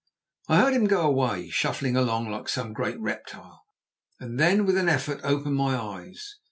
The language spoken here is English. I heard him go away, shuffling along like some great reptile, and then, with an effort, opened my eyes.